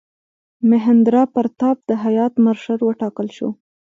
میهندراپراتاپ د هیات مشر وټاکل شو.